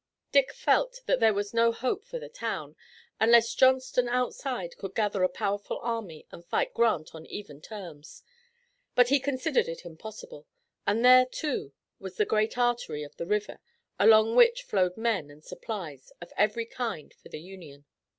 Dick felt that there was no hope for the town, unless Johnston outside could gather a powerful army and fight Grant on even terms. But he considered it impossible, and there, too, was the great artery of the river along which flowed men and supplies of every kind for the Union.